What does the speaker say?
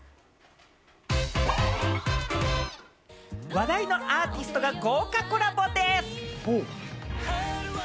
話題のアーティストが豪華コラボです！